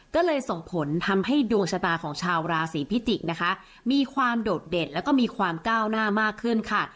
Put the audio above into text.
ก็เลยส่งผลทำให้ดวงชะตาของชาวราศีพิจิกษ์นะคะมีความโดดเด่นแล้วก็มีความก้าวหน้ามากขึ้นค่ะ